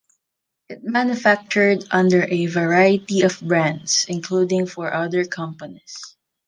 It manufactured under a variety of brands, including for other companies.